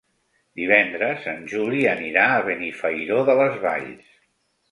Divendres en Juli anirà a Benifairó de les Valls.